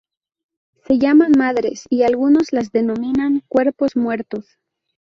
Se llaman madres, y algunos las denominan cuerpos muertos.